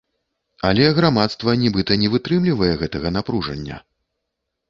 Але грамадства нібыта не вытрымлівае гэтага напружання.